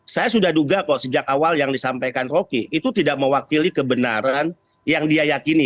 saya sudah duga kok sejak awal yang disampaikan rocky itu tidak mewakili kebenaran yang dia yakini